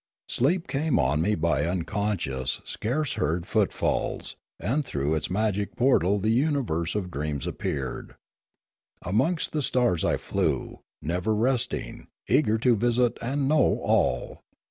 Sleep came on me by unconscious, scarce heard footfalls, and through its magic portal the uni verse of dreams appeared. Amongst the stars I flew, never resting, eager to visit and know all.